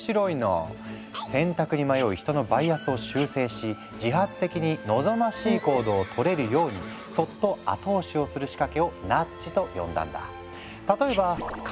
選択に迷う人のバイアスを修正し自発的に望ましい行動をとれるようにそっと後押しをする仕掛けをナッジと呼んだんだ。